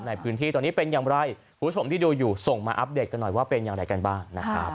ในพื้นที่ตอนนี้เป็นอย่างไรคุณผู้ชมที่ดูอยู่ส่งมาอัปเดตกันหน่อยว่าเป็นอย่างไรกันบ้างนะครับ